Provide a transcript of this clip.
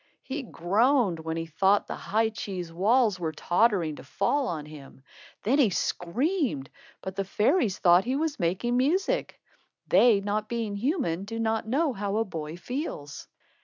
He groaned when he thought the high cheese walls were tottering to fall on him. Then he screamed, but the fairies thought he was making music. They, not being human, do not know how a boy feels.